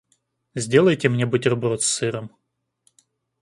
Сделайте мне бутерброд с сыром.